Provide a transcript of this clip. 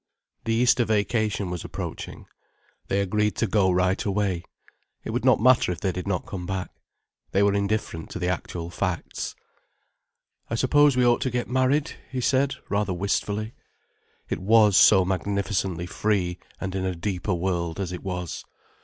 The Easter vacation was approaching. They agreed to go right away. It would not matter if they did not come back. They were indifferent to the actual facts. "I suppose we ought to get married," he said, rather wistfully. It was so magnificently free and in a deeper world, as it was.